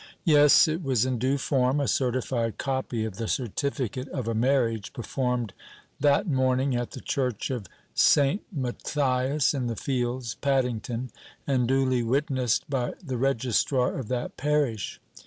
Yes, it was in due form. A certified copy of the certificate of a marriage performed that morning at the church of St. Matthias in the fields, Paddington, and duly witnessed by the registrar of that parish.